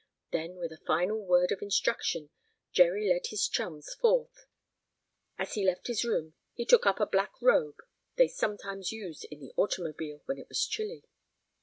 Then, with a final word of instruction, Jerry led his chums forth. As he left his room he took up a black robe they sometimes used in the automobile when it was chilly.